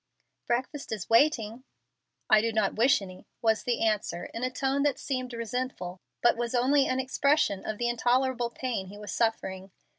"Breakfast is waiting." "I do not wish any," was the answer, in a tone that seemed resentful, but was only an expression of the intolerable pain he was suffering.